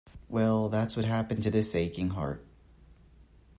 Well, that's what happened to this aching heart.